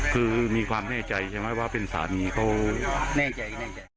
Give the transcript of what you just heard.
คือมีความแน่ใจใช่ไหมว่าเป็นสามีเขาแน่ใจไม่แน่ใจ